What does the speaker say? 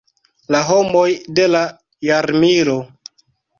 La homoj de la jarmilo.